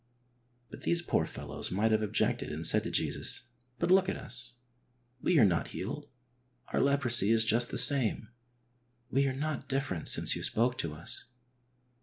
But these poor fellows might have objected and said to Jesus: "But look at us ! We are not healed. Our leprosy is just the same. We are not different since you spoke to us.